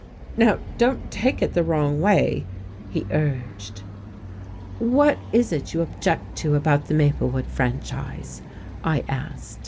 "Now don't take it the wrong way," he urged. "What is it you object to about the Maplewood franchise?" I asked.